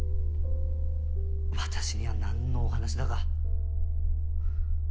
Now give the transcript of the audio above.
私には何のお話だか。